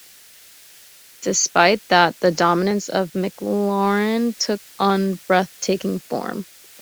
Despite that, the dominance of McLaren took on breath-taking form.